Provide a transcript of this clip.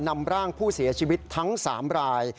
นำร่างผู้เสียชีวิตทั้ง๓ราย